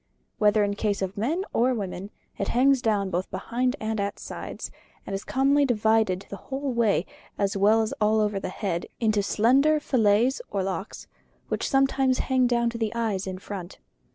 Whether in case of men or women, it hangs down both behind and at the sides, and is commonly divided the whole way, as well as all over the head, into slender fillets or locks, which sometimes hang down to the eyes in front.